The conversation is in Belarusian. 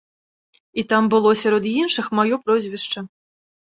І там было сярод іншых маё прозвішча.